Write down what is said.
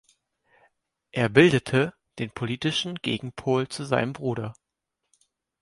Er bildete den politischen Gegenpol zu seinem Bruder.